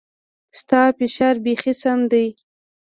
ستا فشار بيخي سم ديه.